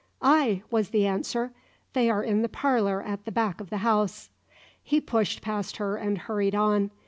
"Ay," was the answer, "they are in the parlour at the back of the house." He pushed past her and hurried on.